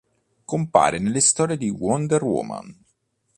Compare nelle storie di Wonder Woman.